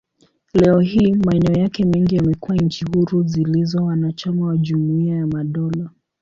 Leo hii, maeneo yake mengi yamekuwa nchi huru zilizo wanachama wa Jumuiya ya Madola.